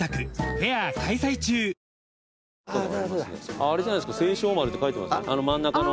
あれじゃないですか清照丸って書いてますねあの真ん中の。